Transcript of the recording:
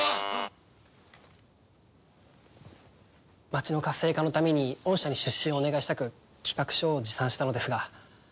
町の活性化のために御社に出資をお願いしたく企画書を持参したのですが。